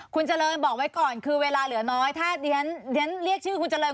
คุณเจริญบอกไว้ก่อนคือเวลาเหลือน้อยถ้าเรียนเรียกชื่อคุณเจริญ